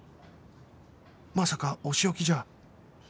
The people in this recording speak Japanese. まさかお仕置きじゃ